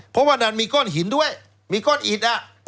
เพราะว่าดันมีก้อนหินด้วยมีก้อนอิด